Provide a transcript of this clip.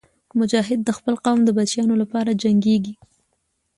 مجاهد د خپل قوم د بچیانو لپاره جنګېږي.